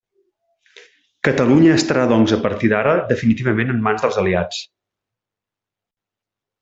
Catalunya estarà doncs a partir d'ara definitivament en mans dels aliats.